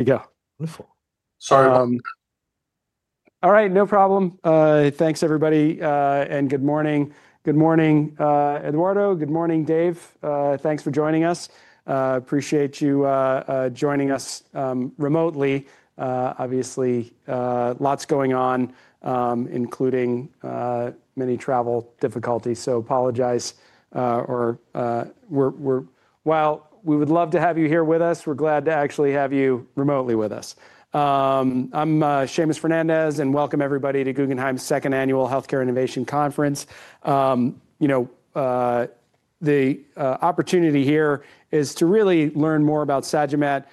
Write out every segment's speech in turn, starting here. Yeah. Sorry. All right, no problem. Thanks, everybody. Good morning. Good morning, Eduardo. Good morning, Dave. Thanks for joining us. Appreciate you joining us remotely. Obviously, lots going on, including many travel difficulties, so apologize, or while we would love to have you here with us, we're glad to actually have you remotely with us. I'm Seamus Fernandez, and welcome, everybody, to Guggenheim's second annual Healthcare Innovation Conference. The opportunity here is to really learn more about Sagimet.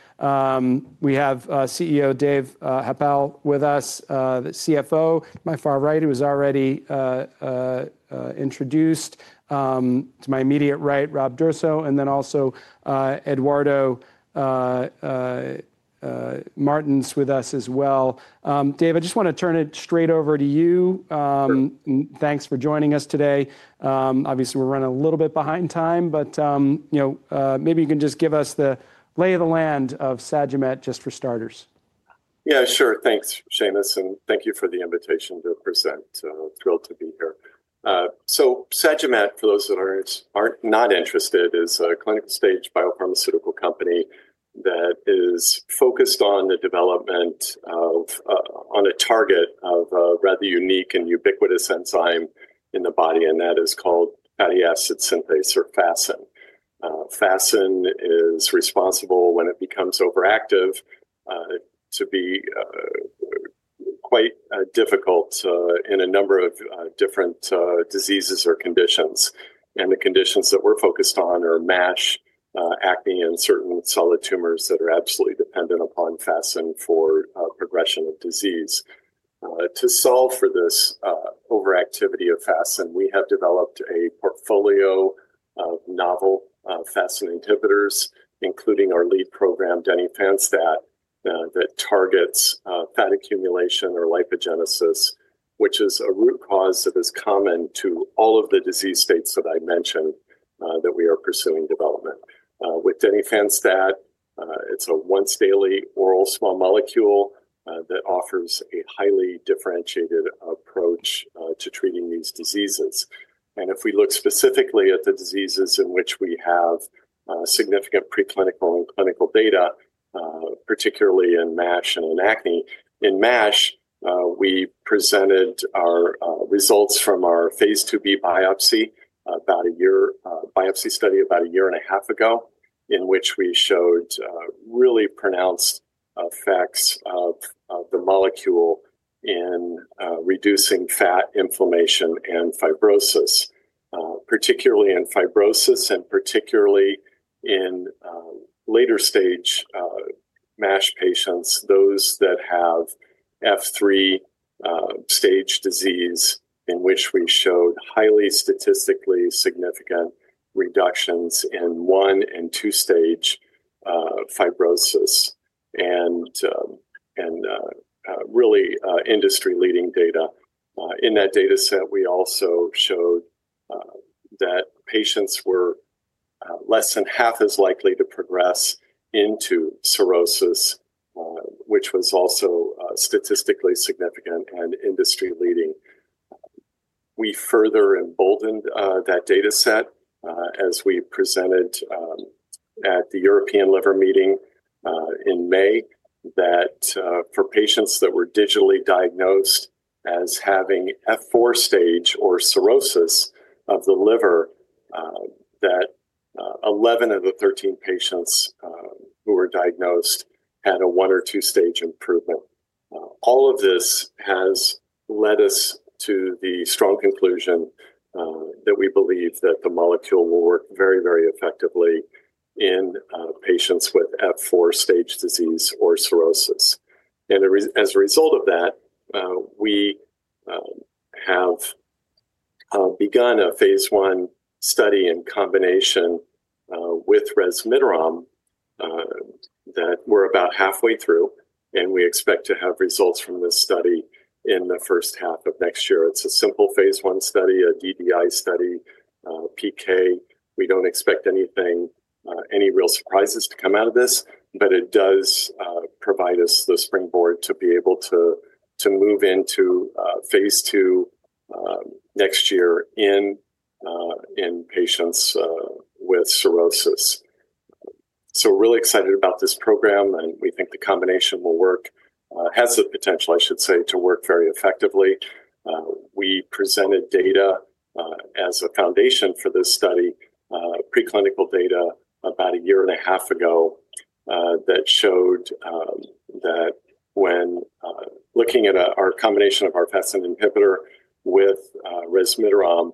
We have CEO Dave Happel with us, the CFO, my far right, who was already introduced, to my immediate right, Rob D'Urso, and then also Eduardo Martins with us as well. Dave, I just want to turn it straight over to you. Thanks for joining us today. Obviously, we're running a little bit behind time, but maybe you can just give us the lay of the land of Sagimet, just for starters. Yeah, sure. Thanks, Seamus, and thank you for the invitation to present. Thrilled to be here. Sagimet, for those that are not interested, is a clinical stage biopharmaceutical company that is focused on the development of a target of a rather unique and ubiquitous enzyme in the body, and that is called fatty acid synthase, or FASN. FASN is responsible, when it becomes overactive, to be quite difficult in a number of different diseases or conditions. The conditions that we're focused on are MASH, acting in certain solid tumors that are absolutely dependent upon FASN for progression of disease. To solve for this overactivity of FASN, we have developed a portfolio of novel FASN inhibitors, including our lead program, denifanstat, that targets fat accumulation or lipogenesis, which is a root cause that is common to all of the disease states that I mentioned that we are pursuing development. With denifanstat, it's a once-daily oral small molecule that offers a highly differentiated approach to treating these diseases. If we look specifically at the diseases in which we have significant preclinical and clinical data, particularly in MASH and in acne, in MASH, we presented our results from our phase IIb biopsy study about a year and a half ago, in which we showed really pronounced effects of the molecule in reducing fat, inflammation, and fibrosis, particularly in fibrosis and particularly in later stage MASH patients, those that have F3 stage disease, in which we showed highly statistically significant reductions in one and two stage fibrosis, and really industry-leading data. In that data set, we also showed that patients were less than half as likely to progress into cirrhosis, which was also statistically significant and industry-leading. We further emboldened that data set as we presented at the European Liver Meeting in May that for patients that were digitally diagnosed as having F4 stage or cirrhosis of the liver, that 11 of the 13 patients who were diagnosed had a one or two stage improvement. All of this has led us to the strong conclusion that we believe that the molecule will work very, very effectively in patients with F4 stage disease or cirrhosis. As a result of that, we have begun a phase I study in combination with resmetirom that we're about halfway through, and we expect to have results from this study in the first half of next year. It's a simple phase I study, a DDI study, PK. We don't expect anything, any real surprises to come out of this, but it does provide us the springboard to be able to move into phase II next year in patients with cirrhosis. We are really excited about this program, and we think the combination will work, has the potential, I should say, to work very effectively. We presented data as a foundation for this study, preclinical data about a year and a half ago that showed that when looking at our combination of our FASN inhibitor with resmetirom,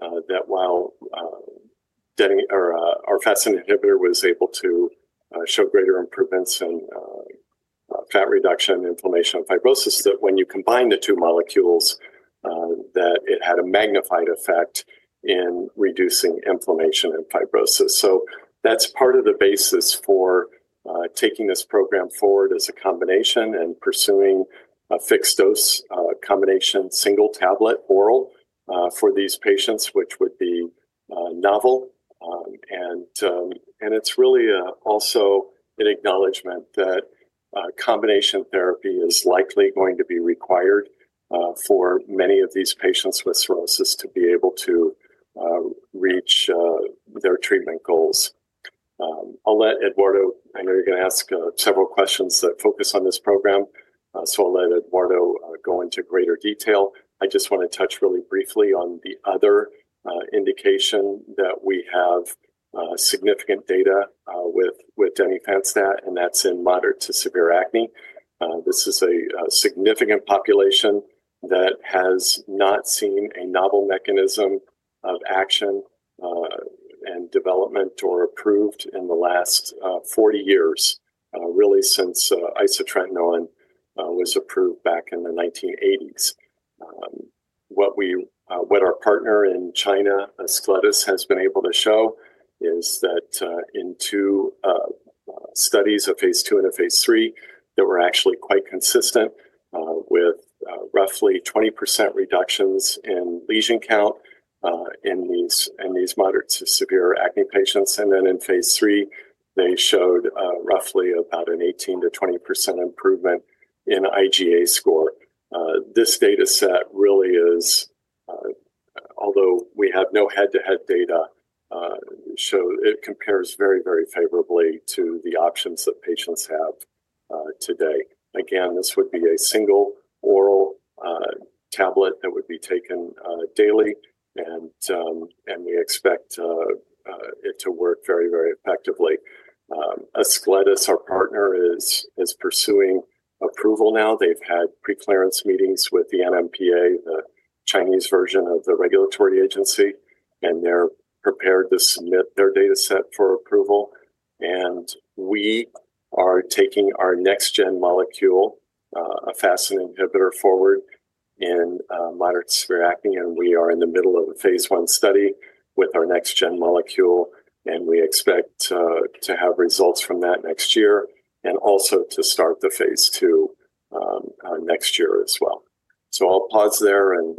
that while our FASN inhibitor was able to show greater improvements in fat reduction and inflammation and fibrosis, that when you combine the two molecules, that it had a magnified effect in reducing inflammation and fibrosis. That's part of the basis for taking this program forward as a combination and pursuing a fixed dose combination, single tablet oral for these patients, which would be novel. It's really also an acknowledgment that combination therapy is likely going to be required for many of these patients with cirrhosis to be able to reach their treatment goals. I'll let Eduardo, I know you're going to ask several questions that focus on this program, so I'll let Eduardo go into greater detail. I just want to touch really briefly on the other indication that we have significant data with denifanstat, and that's in moderate to severe acne. This is a significant population that has not seen a novel mechanism of action in development or approved in the last 40 years, really since isotretinoin was approved back in the 1980s. What our partner in China, Ascletis, has been able to show is that in two studies of phase II and phase III that were actually quite consistent with roughly 20% reductions in lesion count in these moderate to severe acne patients. In phase III, they showed roughly about an 18%-20% improvement in IGA score. This data set really is, although we have no head-to-head data, it compares very, very favorably to the options that patients have today. Again, this would be a single oral tablet that would be taken daily, and we expect it to work very, very effectively. Ascletis, our partner, is pursuing approval now. They've had pre-clearance meetings with the NMPA, the Chinese version of the regulatory agency, and they're prepared to submit their data set for approval. We are taking our next-gen molecule, a FASN inhibitor, forward in moderate to severe acne, and we are in the middle of a phase I study with our next-gen molecule, and we expect to have results from that next year and also to start the phase II next year as well. I'll pause there and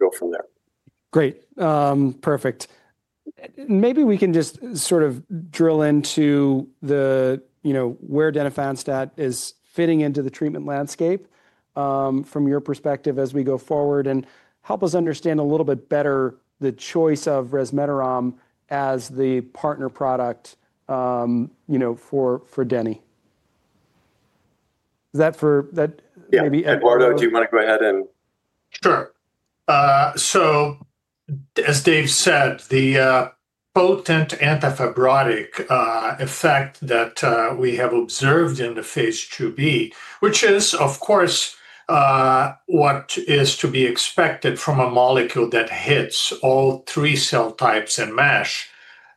go from there. Great. Perfect. Maybe we can just sort of drill into where denifanstat is fitting into the treatment landscape from your perspective as we go forward and help us understand a little bit better the choice of resmetirom as the partner product for denifanstat. Is that for that? Yeah. Eduardo, do you want to go ahead and? Sure. As Dave said, the potent antifibrotic effect that we have observed in the phase IIb, which is, of course, what is to be expected from a molecule that hits all three cell types in MASH,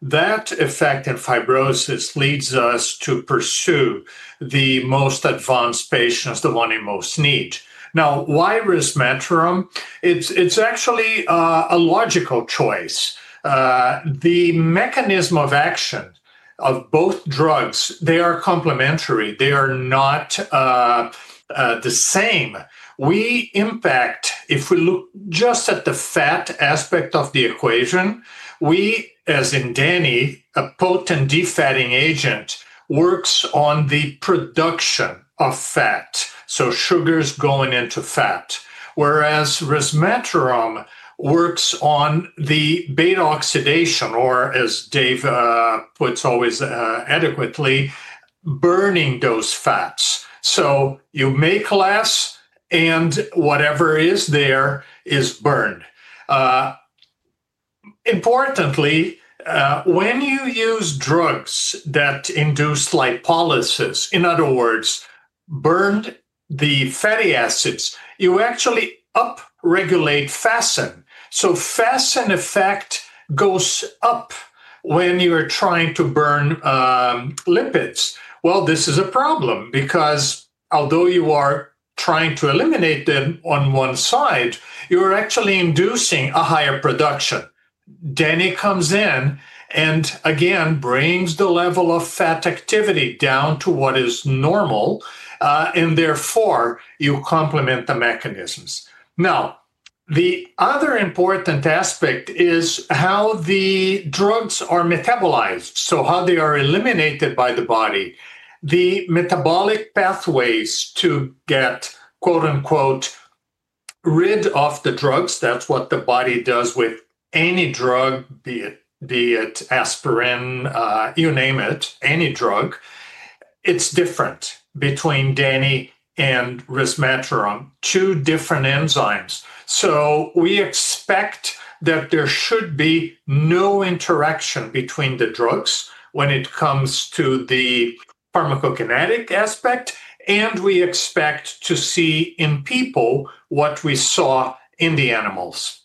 that effect in fibrosis leads us to pursue the most advanced patients, the ones in most need. Now, why resmetirom? It's actually a logical choice. The mechanism of action of both drugs, they are complementary. They are not the same. We impact, if we look just at the fat aspect of the equation, we, as in denifanstat, a potent defatting agent, works on the production of fat, so sugars going into fat, whereas resmetirom works on the beta oxidation, or as Dave puts always adequately, burning those fats. You make less, and whatever is there is burned. Importantly, when you use drugs that induce lipolysis, in other words, burn the fatty acids, you actually upregulate FASN. FASN effect goes up when you are trying to burn lipids. This is a problem because although you are trying to eliminate them on one side, you are actually inducing a higher production. Denifanstat comes in and again brings the level of fat activity down to what is normal, and therefore you complement the mechanisms. Now, the other important aspect is how the drugs are metabolized, so how they are eliminated by the body. The metabolic pathways to get "rid" of the drugs, that is what the body does with any drug, be it aspirin, you name it, any drug, it is different between denifanstat and resmetirom, two different enzymes. We expect that there should be no interaction between the drugs when it comes to the pharmacokinetic aspect, and we expect to see in people what we saw in the animals.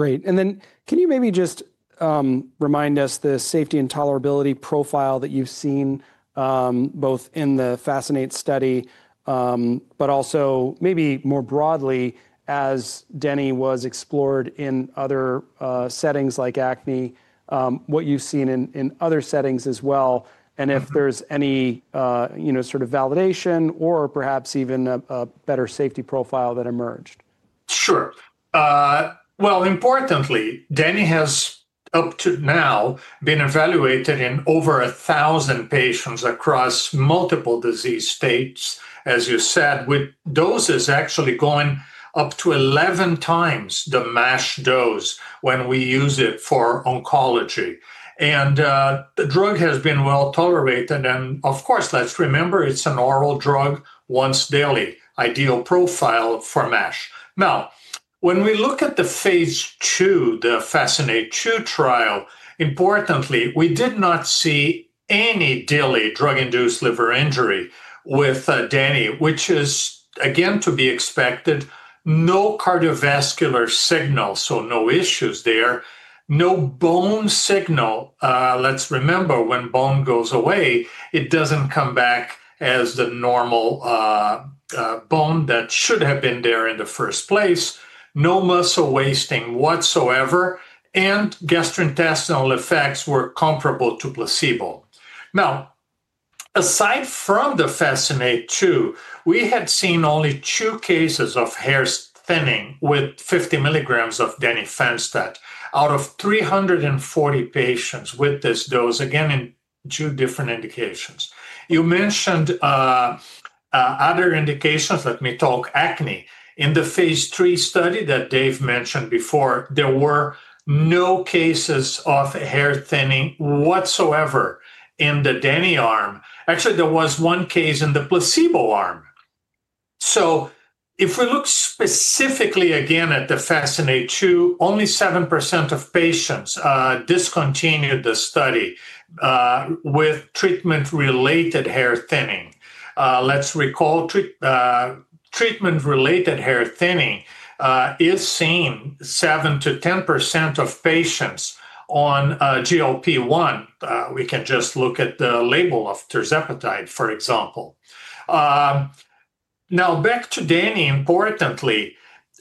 Great. Can you maybe just remind us the safety and tolerability profile that you've seen both in the FASCINATE study, but also maybe more broadly as denifanstat was explored in other settings like acne, what you've seen in other settings as well, and if there's any sort of validation or perhaps even a better safety profile that emerged? Sure. Importantly, denifanstat has up to now been evaluated in over 1,000 patients across multiple disease states, as you said, with doses actually going up to 11 times the MASH dose when we use it for oncology. The drug has been well tolerated. Of course, let's remember it's an oral drug once daily, ideal profile for MASH. Now, when we look at the phase II, the FASCINATE-2 trial, importantly, we did not see any daily drug-induced liver injury with denifanstat, which is again to be expected, no cardiovascular signal, so no issues there, no bone signal. Let's remember when bone goes away, it doesn't come back as the normal bone that should have been there in the first place, no muscle wasting whatsoever, and gastrointestinal effects were comparable to placebo. Now, aside from the FASCINATE-2, we had seen only two cases of hair thinning with 50 milligrams of denifanstat out of 340 patients with this dose, again in two different indications. You mentioned other indications, let me talk acne. In the phase III study that Dave mentioned before, there were no cases of hair thinning whatsoever in the denifanstat arm. Actually, there was one case in the placebo arm. If we look specifically again at the FASCINATE-2, only 7% of patients discontinued the study with treatment-related hair thinning. Let's recall treatment-related hair thinning is seen 7%-10% of patients on GLP-1. We can just look at the label of tirzepatide, for example. Now, back to denifanstat, importantly,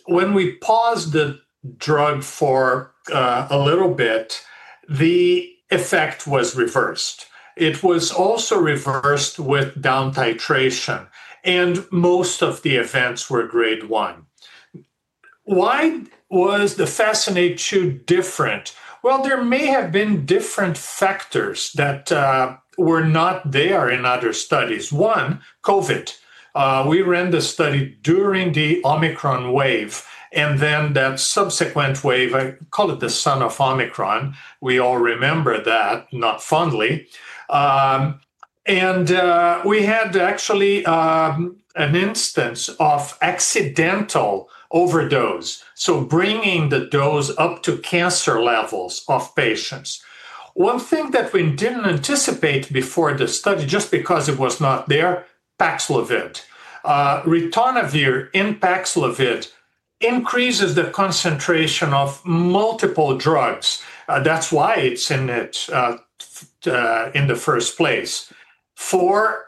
when we paused the drug for a little bit, the effect was reversed. It was also reversed with down titration, and most of the events were grade 1. Why was the FASCINATE-2 different? There may have been different factors that were not there in other studies. One, COVID. We ran the study during the Omicron wave, and then that subsequent wave, I call it the son of Omicron. We all remember that, not fondly. We had actually an instance of accidental overdose, bringing the dose up to cancer levels of patients. One thing that we did not anticipate before the study, just because it was not there, Paxlovid. Ritonavir in Paxlovid increases the concentration of multiple drugs. That is why it is in it in the first place. For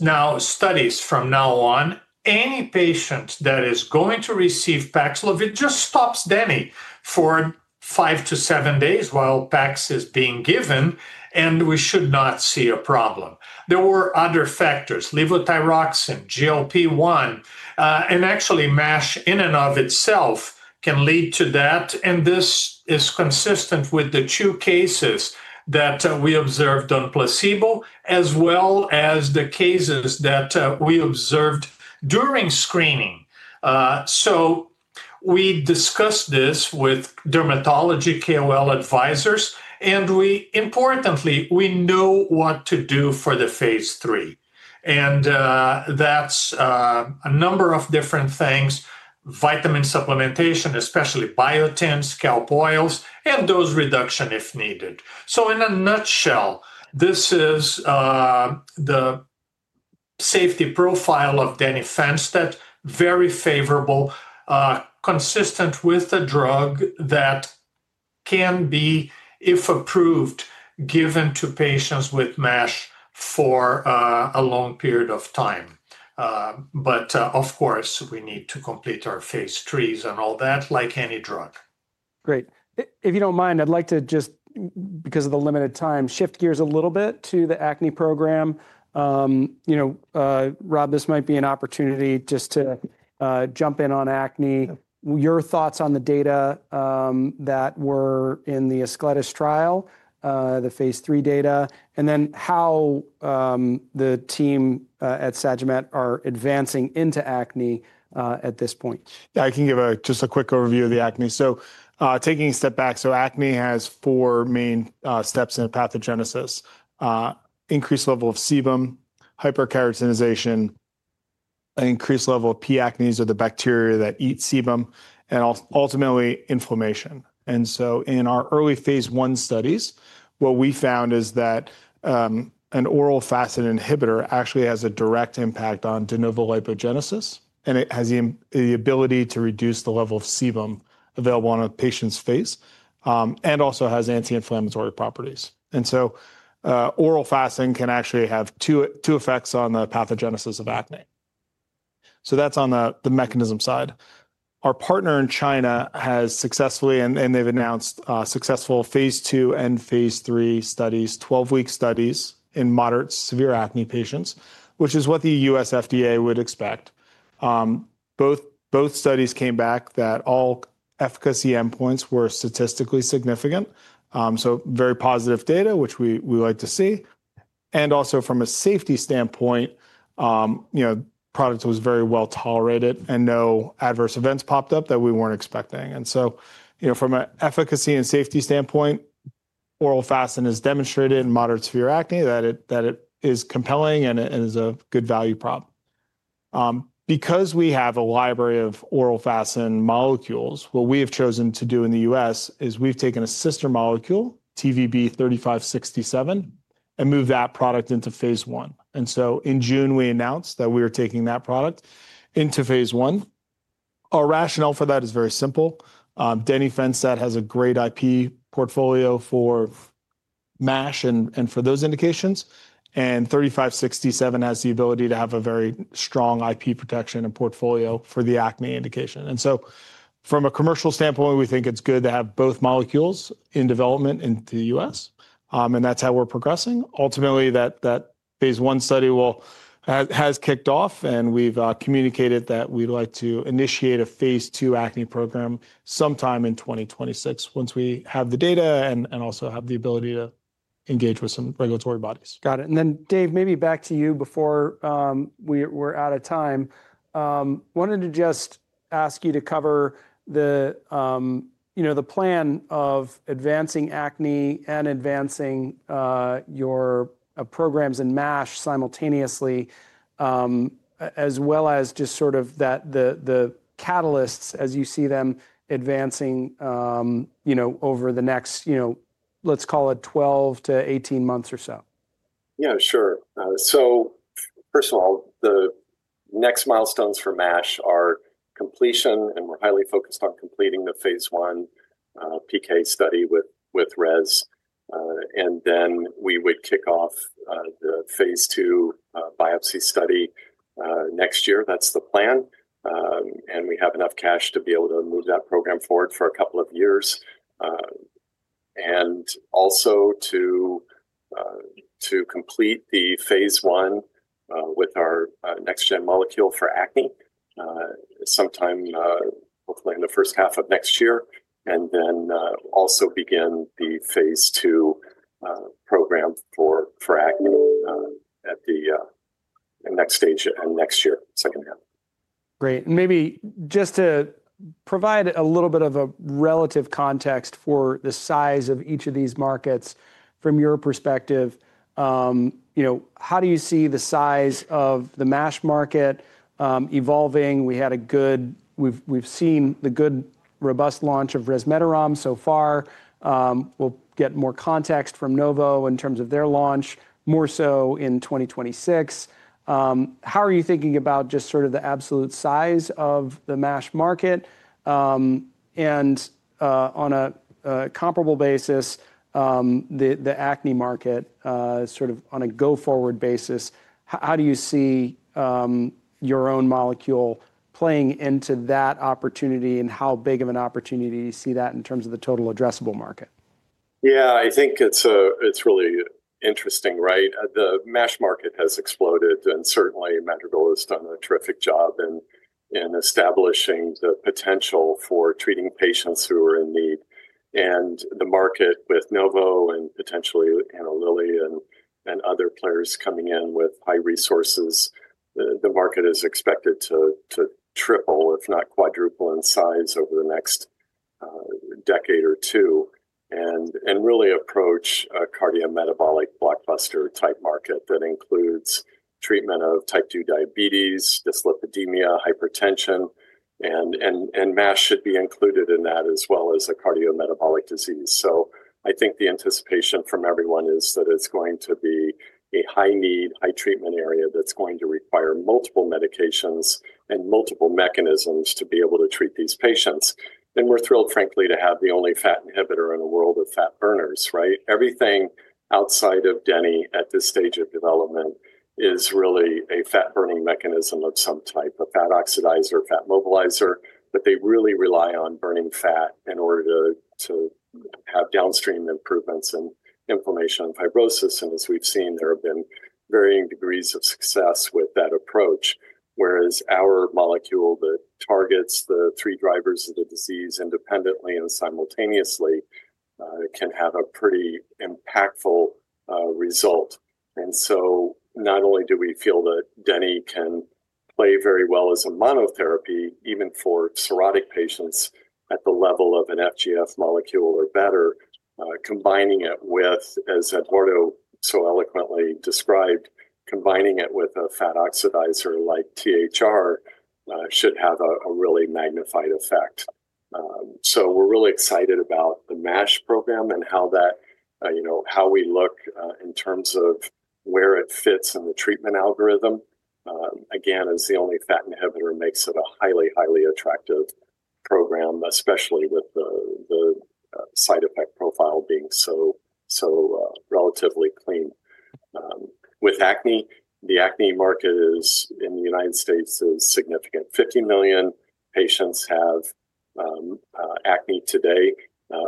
now, studies from now on, any patient that is going to receive Paxlovid just stops denifanstat for five to seven days while Pax is being given, and we should not see a problem. There were other factors, levothyroxine, GLP-1, and actually MASH in and of itself can lead to that. This is consistent with the two cases that we observed on placebo, as well as the cases that we observed during screening. We discussed this with dermatology KOL advisors, and importantly, we know what to do for the phase III. That is a number of different things, vitamin supplementation, especially biotins, scalp oils, and dose reduction if needed. In a nutshell, this is the safety profile of denifanstat, very favorable, consistent with the drug that can be, if approved, given to patients with MASH for a long period of time. Of course, we need to complete our phase IIIs and all that like any drug. Great. If you don't mind, I'd like to just, because of the limited time, shift gears a little bit to the acne program. Rob, this might be an opportunity just to jump in on acne, your thoughts on the data that were in the Ascletis trial, the phase III data, and then how the team at Sagimet are advancing into acne at this point. Yeah, I can give just a quick overview of the acne. Taking a step back, acne has four main steps in pathogenesis: increased level of sebum, hyperkeratinization, an increased level of P. acnes, or the bacteria that eat sebum, and ultimately inflammation. In our early phase I studies, what we found is that an oral FASN inhibitor actually has a direct impact on de novo lipogenesis, and it has the ability to reduce the level of sebum available on a patient's face and also has anti-inflammatory properties. Oral FASN can actually have two effects on the pathogenesis of acne. That's on the mechanism side. Our partner in China has successfully, and they've announced successful phase II and phase III studies, 12-week studies in moderate to severe acne patients, which is what the US FDA would expect. Both studies came back that all efficacy endpoints were statistically significant, so very positive data, which we like to see. Also from a safety standpoint, the product was very well tolerated and no adverse events popped up that we were not expecting. From an efficacy and safety standpoint, oral FASN has demonstrated in moderate to severe acne that it is compelling and is a good value prop. Because we have a library of oral FASN molecules, what we have chosen to do in the US is we have taken a sister molecule, TVB-3567, and moved that product into phase I. In June, we announced that we were taking that product into phase I. Our rationale for that is very simple. Denifanstat has a great IP portfolio for MASH and for those indications, and TVB-3567 has the ability to have a very strong IP protection and portfolio for the acne indication. From a commercial standpoint, we think it's good to have both molecules in development in the U.S., and that's how we're progressing. Ultimately, that phase I study has kicked off, and we've communicated that we'd like to initiate a phase II acne program sometime in 2026 once we have the data and also have the ability to engage with some regulatory bodies. Got it. Dave, maybe back to you before we're out of time. I wanted to just ask you to cover the plan of advancing acne and advancing your programs in MASH simultaneously, as well as just sort of the catalysts as you see them advancing over the next, let's call it 12 to 18 months or so. Yeah, sure. First of all, the next milestones for MASH are completion, and we're highly focused on completing the phase I PK study with REZ. We would kick off the phase II biopsy study next year. That's the plan. We have enough cash to be able to move that program forward for a couple of years. Also, to complete the phase I with our next-gen molecule for acne sometime, hopefully in the first half of next year, and then also begin the phase II program for acne at the next stage and next year, second half. Great. Maybe just to provide a little bit of a relative context for the size of each of these markets from your perspective, how do you see the size of the MASH market evolving? We've seen the good, robust launch of resmetirom so far. We'll get more context from Novo in terms of their launch, more so in 2026. How are you thinking about just sort of the absolute size of the MASH market? On a comparable basis, the acne market sort of on a go-forward basis, how do you see your own molecule playing into that opportunity and how big of an opportunity do you see that in terms of the total addressable market? Yeah, I think it's really interesting, right? The MASH market has exploded, and certainly Madrigal has done a terrific job in establishing the potential for treating patients who are in need. The market with Novo and potentially Eli Lilly and other players coming in with high resources, the market is expected to triple, if not quadruple in size over the next decade or two, and really approach a cardiometabolic blockbuster-type market that includes treatment of type 2 diabetes, dyslipidemia, hypertension, and MASH should be included in that as well as a cardiometabolic disease. I think the anticipation from everyone is that it's going to be a high-need, high-treatment area that's going to require multiple medications and multiple mechanisms to be able to treat these patients. We're thrilled, frankly, to have the only fat inhibitor in the world of fat burners, right? Everything outside of Denifanstat at this stage of development is really a fat-burning mechanism of some type, a fat oxidizer, fat mobilizer, but they really rely on burning fat in order to have downstream improvements in inflammation and fibrosis. As we've seen, there have been varying degrees of success with that approach, whereas our molecule that targets the three drivers of the disease independently and simultaneously can have a pretty impactful result. Not only do we feel that Denifanstat can play very well as a monotherapy, even for cirrhotic patients at the level of an FGF molecule or better, combining it with, as Eduardo so eloquently described, combining it with a fat oxidizer like THR should have a really magnified effect. We are really excited about the MASH program and how we look in terms of where it fits in the treatment algorithm. Again, as the only fat inhibitor, it makes it a highly, highly attractive program, especially with the side effect profile being so relatively clean. With acne, the acne market in the United States is significant. 50 million patients have acne today.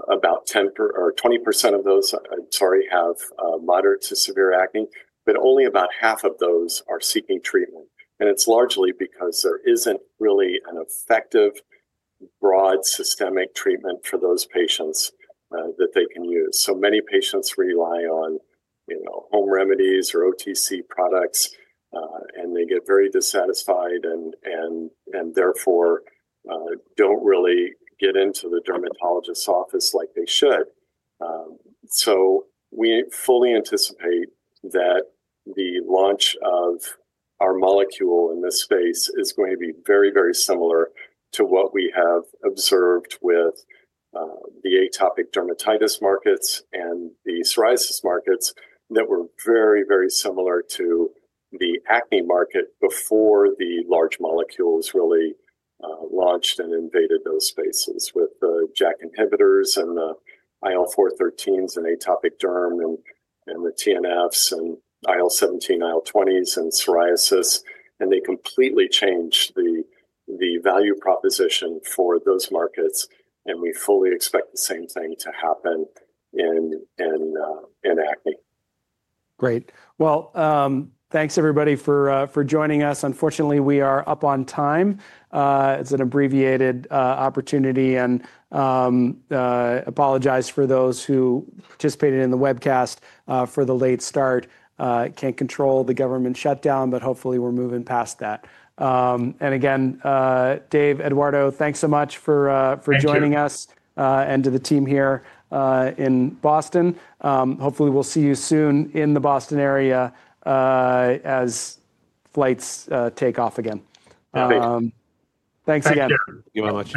About 10% or 20% of those, I'm sorry, have moderate to severe acne, but only about half of those are seeking treatment. And it's largely because there isn't really an effective, broad systemic treatment for those patients that they can use. So many patients rely on home remedies or OTC products, and they get very dissatisfied and therefore don't really get into the dermatologist's office like they should. We fully anticipate that the launch of our molecule in this space is going to be very, very similar to what we have observed with the atopic dermatitis markets and the psoriasis markets that were very, very similar to the acne market before the large molecules really launched and invaded those spaces with the JAK inhibitors and the IL-413s in atopic derm and the TNFs and IL-17, IL-20s in psoriasis. They completely changed the value proposition for those markets, and we fully expect the same thing to happen in acne. Great. Thanks everybody for joining us. Unfortunately, we are up on time. It's an abbreviated opportunity, and I apologize for those who participated in the webcast for the late start. Can't control the government shutdown, but hopefully we're moving past that. Again, Dave, Eduardo, thanks so much for joining us and to the team here in Boston. Hopefully, we'll see you soon in the Boston area as flights take off again. Thanks. Thanks again. Thank you very much.